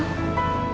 mungkin mas al suka